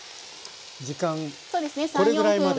これぐらいまで？